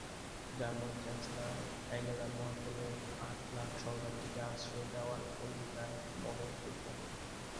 German chancellor Angela মেরকেলের আট লাখ শরণার্থীকে আশ্রয় দেওয়ার অঙ্গীকার মহৎ দৃষ্টান্ত।